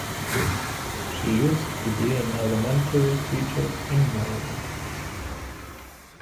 She used to be an elementary teacher in Norway.